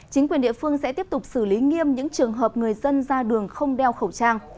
chính quyền địa phương sẽ tiếp tục xử lý nghiêm những trường hợp người dân ra đường không đeo khẩu trang